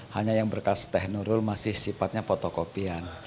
hanya yang berkas teknurul masih sifatnya fotokopian